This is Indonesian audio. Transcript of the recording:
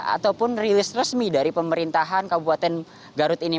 ataupun rilis resmi dari pemerintahan kabupaten garut ini